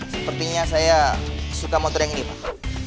sepertinya saya suka motor yang ini pak